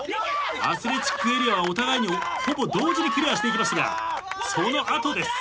アスレチックエリアはお互いにほぼ同時にクリアしていきましたがその後です。